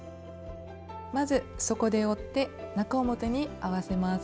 まず底で折って中表に合わせます。